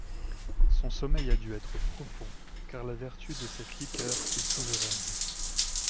Son sommeil a dû être profond, car la vertu de cette liqueur est souveraine.